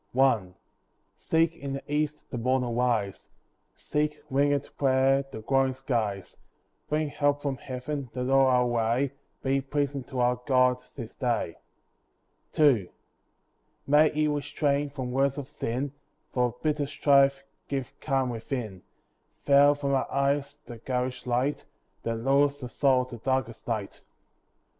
I See in the east the morn arise; Seek, wingèd prayer, the glowing skies; Bring help from Heaven, that all our way Be pleasing to our God this day. II May He restrain from words of sin; For bitter strife give calm within; Veil from our eyes the garish light, That lures the soul to darkest night.